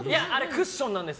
クッションなんです。